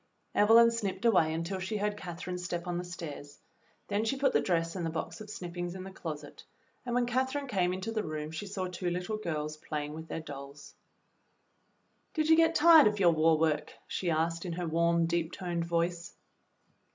Evelyn snipped away until she heard Catherine's step on the stairs, then she put the dress and the box of snippings in the closet, and when Catherine came into the room she saw two little girls playing with their dolls. "Did you get tired of your war work.f^" she asked, in her warm, deep toned voice.